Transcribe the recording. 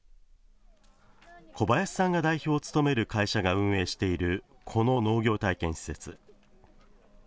小林さんが代表を務める会社が運営しているこの農業体験施設。